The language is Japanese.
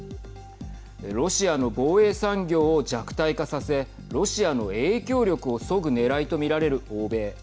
ロシアの防衛産業を弱体化させロシアの影響力をそぐねらいと見られる欧米。